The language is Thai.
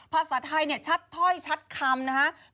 ภาษาไทยเนี่ยชัดถ้อยชัดคำนะครับ